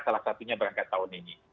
salah satunya berangkat tahun ini